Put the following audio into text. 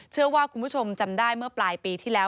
เชื่อว่าคุณผู้ชมจำได้เมื่อปลายปีที่แล้ว